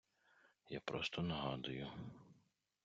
Я просто нагадую.